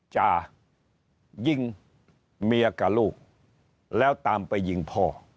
จะยิงเมียกับลูกแล้วตามไปยิงพ่อ